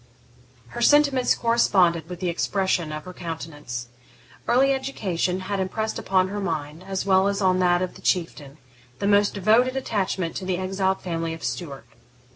Her sentiments corresponded with the expression of her countenance. Early education had impressed upon her mind, as well as on that of the Chieftain, the most devoted attachment to the exiled family of Stuart.